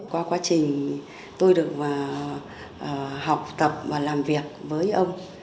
qua quá trình tôi được học tập và làm việc với ông